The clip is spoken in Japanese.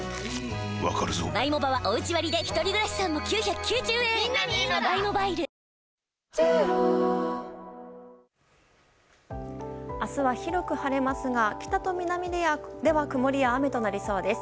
わかるぞ明日は広く晴れますが北と南では曇りや雨となりそうです。